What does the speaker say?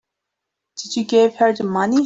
Did you give her the money?